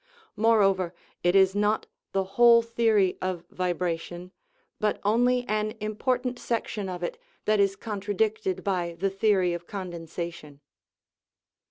Moreover, it is not the whole theory of vibration, but only an important section of it, that is contradicted by the theory of condensation.